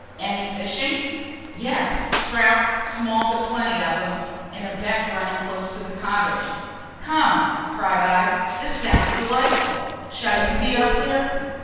"Any fishing?" "Yes trout small but plenty of 'em in a beck running close behind the cottage." "Come," cried I, "this sounds delightful! Shall you be up there?"